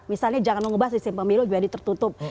misalnya jangan mengubah sistem pemilu jadi tertutup